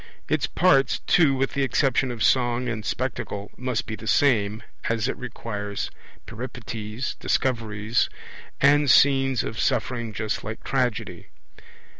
Its parts, too, with the exception of Song and Spectacle, must be the same, as it requires Peripeties, Discoveries, and scenes of suffering just like Tragedy.